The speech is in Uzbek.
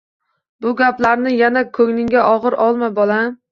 Bu gaplarni yana ko`nglingga og`ir olma, bolam